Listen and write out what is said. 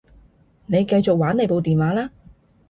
你繼續玩你部電話啦